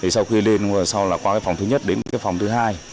sau khi lên qua phòng thứ nhất đến phòng thứ hai